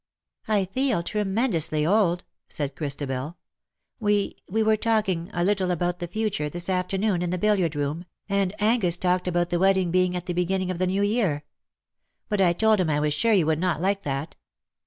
" 1 feel tremendously old," said Christabel. "We — we were talking a little about the future, this afternoon, in the billiard room, and Angus talked about the wedding being at the beginning of the new year. But I told him I was sure you would not like that."